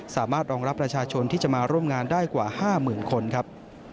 สามารถรองรับประชาชนที่จะมาร่วมงานได้กว่า๕๐๐๐คนครับ